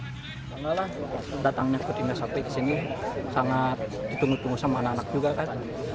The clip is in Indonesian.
bangga lah datangnya putra nugraha disini sangat ditunggu tunggu sama anak anak juga kan